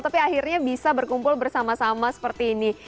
tapi akhirnya bisa berkumpul bersama sama seperti ini